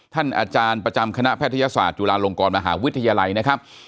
อาจารย์ประจำคณะแพทยศาสตร์จุฬาลงกรมหาวิทยาลัยนะครับ